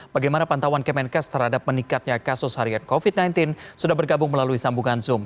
bagaimana pantauan kemenkes terhadap meningkatnya kasus harian covid sembilan belas sudah bergabung melalui sambungan zoom